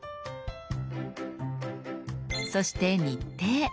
そして「日程」。